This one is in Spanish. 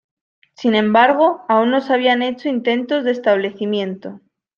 Sin embargo, aún no se habían hecho intentos de establecimiento.